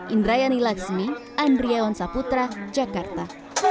indrayani lakshmi andriya yon saputra jakarta